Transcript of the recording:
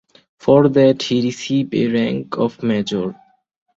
For that he received a rank of major.